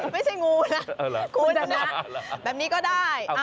ไม่ใช่งูนะโอะเหรอคุณสับนักแบบนี้ก็ได้